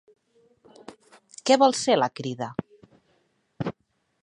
Què vol ser la Crida?